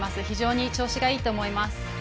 非常に調子がいいと思います。